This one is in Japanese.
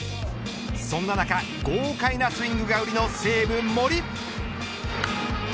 そんな中豪快なスイングが売りの西武、森。